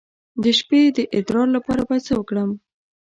د شپې د ادرار لپاره باید څه وکړم؟